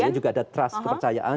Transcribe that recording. nah ini juga ada trust kepercayaan